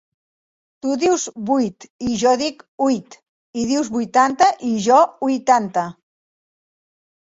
Tu dius 'vuit' i jo dic 'huit'; i dius 'vuitanta' i jo, 'huitanta'.